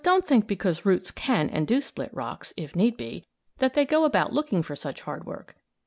] But don't think because roots can and do split rocks, if need be, that they go about looking for such hard work.